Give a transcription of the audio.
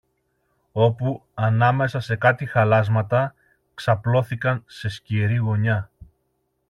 Όπου, ανάμεσα σε κάτι χαλάσματα, ξαπλώθηκαν σε σκιερή γωνιά